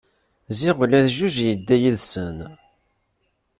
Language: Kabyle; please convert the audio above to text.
Ziɣ ula d jjuj yedda yid-sen!